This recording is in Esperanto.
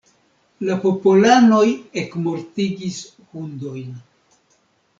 La popolanoj ekmortigis hundojn.